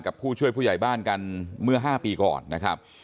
ผู้ช่วยผู้ใหญ่บ้านกันเมื่อ๕ปีก่อนนะครับ